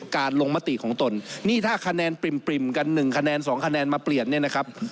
การลงมติของตนนี่ถ้าคะแนนปริ่มกัน๑คะแนน๒คะแนนมาเปลี่ยน